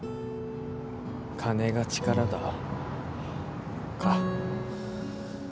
金が力だか。